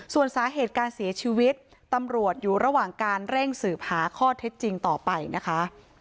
ส่วนสาเหตุการเสียชีวิตตำรวจอยู่ระหว่างการเร่งสืบหาข้อเท็จจริงต่อไปนะคะ